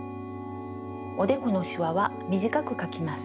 おでこのしわはみじかくかきます。